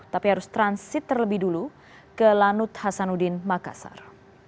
tapi harus transit terlebih dulu ke lanut hasanuddin makassar